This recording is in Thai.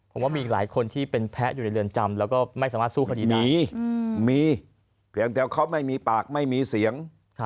ผมว่ามีอีกหลายคนที่เป็นแพ้อยู่ในเรือนจำแล้วก็ไม่สามารถสู้คดีนี้มีเพียงแต่เขาไม่มีปากไม่มีเสียง